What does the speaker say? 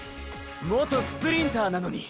元スプリンターなのに！！